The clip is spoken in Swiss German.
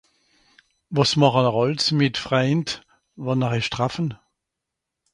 wàs màchen'r àls mìt freind wànn er eich traffen